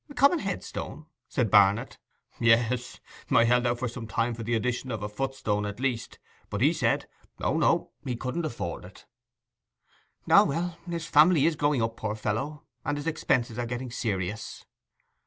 'A common headstone?' said Barnet. 'Yes. I held out for some time for the addition of a footstone at least. But he said, "O no—he couldn't afford it."' 'Ah, well—his family is growing up, poor fellow, and his expenses are getting serious.